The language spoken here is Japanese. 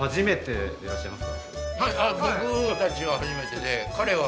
僕たちは初めてで彼は。